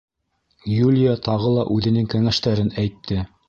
Юлия тағы ла үҙенең кәңәштәрен әйтте: